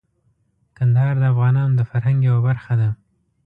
کندهار د افغانانو د فرهنګ یوه برخه ده.